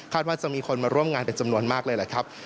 ว่าจะมีคนมาร่วมงานเป็นจำนวนมากเลยแหละครับ